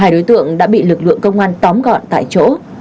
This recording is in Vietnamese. hai đối tượng đã bị lực lượng công an tóm gọn tại chỗ